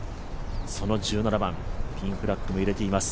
その１７番、ピンフラッグも揺れています。